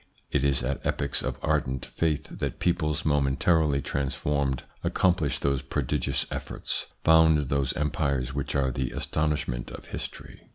It is at epochs of ardent faith that peoples, momentarily transformed, accomplish those prodigious efforts, found those empires which are the astonishment of history.